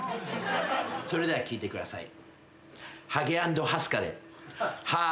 それでは聴いてください。